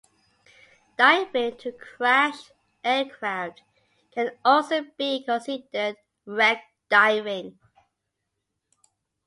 Diving to crashed aircraft can also be considered wreck diving.